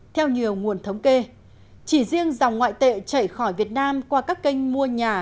theo nhiều nguồn thống kê chỉ riêng dòng ngoại tệ chảy khỏi việt nam qua các kênh mua nhà